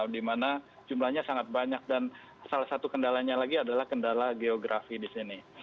di mana jumlahnya sangat banyak dan salah satu kendalanya lagi adalah kendala geografi di sini